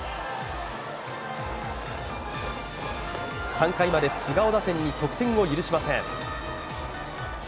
３回まで菅生打線に得点を許しません。